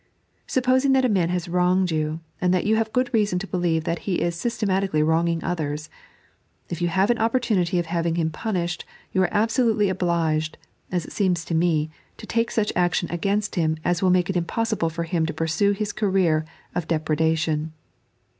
Supposing that a man has wronged you, and that you have good reason to believe that he is systematically wronging others ; if you have an opportunity of having him punished, you are absolutely obliged, as it seems to me, to take such action against him as will make it impossible for him to pursue his career of depredation.